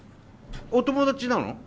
お友達なの？